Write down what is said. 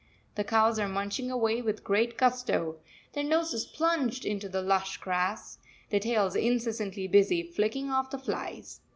The cows are munching away with great gusto, their noses plunged into the lush grass, their tails incessantly busy flicking off the flies.